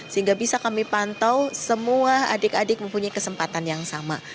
sehingga bisa kami pantau semua adik adik mempunyai kesempatan yang sama